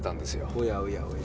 おやおやおや。